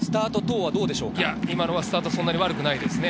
スタートはそんなに悪くないですね。